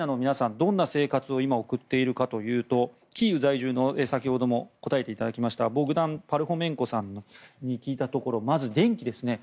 どんな生活を今送っているかというとキーウ在住の先ほども答えていただきましたボグダン・パルホメンコさんに聞いたところまず電気ですね。